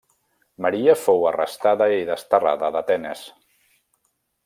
Maria fou arrestada i desterrada d'Atenes.